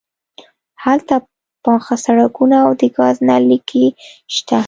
هلته پاخه سړکونه او د ګاز نل لیکې شته